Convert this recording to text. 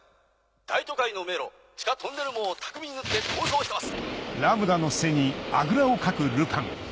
大都会の迷路地下トンネル網を巧みに縫って逃走してます！